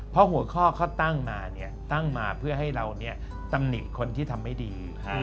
เพราะหัวข้อเขาตั้งมาเพื่อให้เราตำหนิคนที่ทำไม่ดี